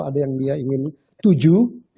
ada yang dia ingin tuju